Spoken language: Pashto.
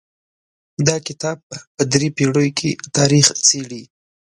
دا کتاب په درې پېړیو کې تاریخ څیړي.